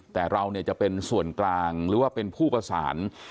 แต่เราจะเป็นส่วนกลางหรือว่าเป็นผู้ประสาน